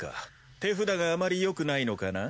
手札があまりよくないのかな？